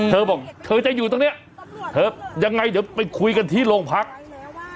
เธอบอกเธอจะอยู่ตรงนี้เธอยังไงเดี๋ยวไปคุยกันที่โรงพัก